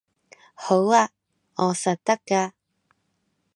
好吖，我實得㗎